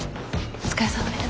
お疲れさまです。